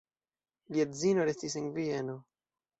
Lia edzino restis en Vieno.